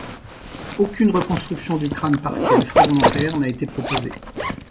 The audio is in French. Aucune reconstruction du crâne partiel fragmentaire n’a été proposée.